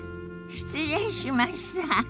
失礼しました。